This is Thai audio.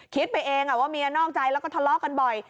คิดไปเองว่าเมียนอกใจแล้วก็ทะเลาะกันบ่อย